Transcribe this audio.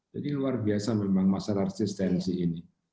jadi luar biasa memang masalah resistensi ini